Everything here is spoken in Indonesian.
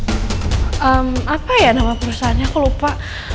apa ya nama perusahaannya aku lupa